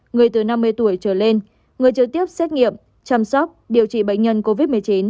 người từ năm mươi tuổi trở lên người trực tiếp xét nghiệm chăm sóc điều trị bệnh nhân covid một mươi chín